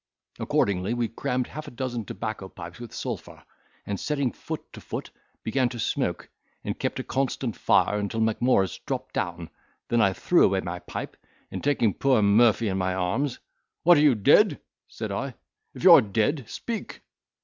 Accordingly we crammed half a dozen tobacco pipes with sulphur, and, setting foot to foot, began to smoke, and kept a constant fire, until Macmorris dropped down; then I threw away my pipe, and taking poor Murphy in my arms, 'What, are you dead?' said I; 'if you are dead, speak.